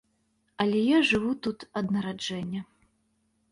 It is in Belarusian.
Але я жыву тут ад нараджэння.